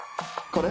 これ？